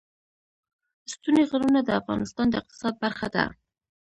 ستوني غرونه د افغانستان د اقتصاد برخه ده.